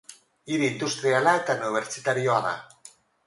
Hiri industriala eta unibertsitarioa da.